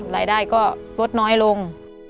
รายได้ก็ลดน้อยลง